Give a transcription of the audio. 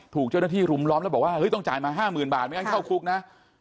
ถูกเจ้าหน้าที่รุมล้อมแล้วบอกว่าเฮ้ยต้องจ่ายมา๕๐๐๐บาทไม่งั้นเข้าคุกนะ